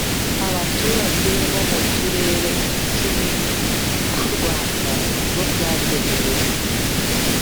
Abaturage bo mu turere icumi twurwanda nibo byagenewe